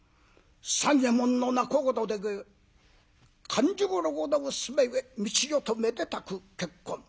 三右衛門の仲人で勘十郎の娘道代とめでたく結婚。